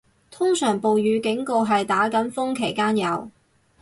通常暴雨警告係打緊風期間有